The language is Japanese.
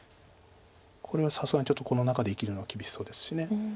これはさすがにこの中で生きるのは厳しそうですし。